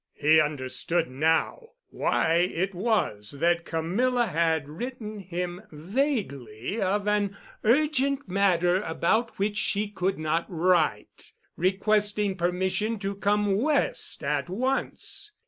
He understood now why it was that Camilla had written him vaguely of an urgent matter about which she could not write, requesting permission to come West at once.